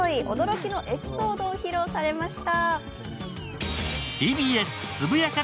驚きのエピソードを披露されました。